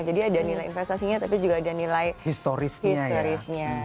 jadi ada nilai investasinya tapi juga ada nilai historisnya